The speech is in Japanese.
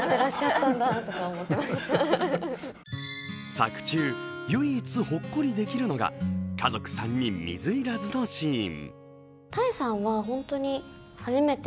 作中、唯一ほっこりできるのが家族３人水入らずのシーン。